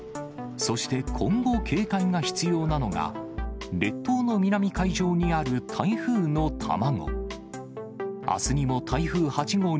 そして今後、警戒が必要なのが、列島の南海上にある台風の卵。